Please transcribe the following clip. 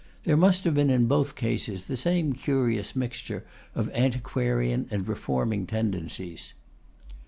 There must have been, in both cases, the same curious mixture of antiquarian and reforming tendencies.